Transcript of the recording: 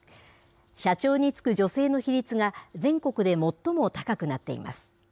社長に就く女性の比率が全国で最も高くなっています。